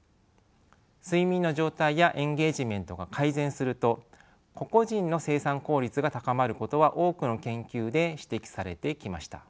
睡眠の状態やエンゲージメントが改善すると個々人の生産効率が高まることは多くの研究で指摘されてきました。